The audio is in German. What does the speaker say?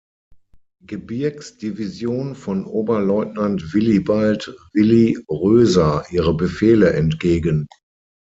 Gebirgs-Division von Oberleutnant Willibald „Willy“ Röser ihre Befehle entgegen.